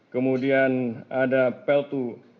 kemudian ada peltu